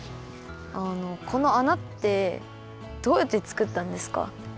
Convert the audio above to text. あのこのあなってどうやってつくったんですか？